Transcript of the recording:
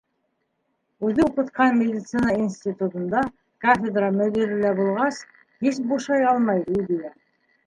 Үҙе уҡытҡан медицина институтында кафедра мөдире лә булғас, һис бушай алмай Лидия.